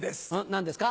何ですか？